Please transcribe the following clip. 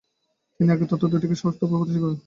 তিনি আগের তত্ত্ব দুটিকে আরো শক্তভাবে প্রতিষ্ঠা করেন।